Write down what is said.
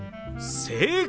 正解！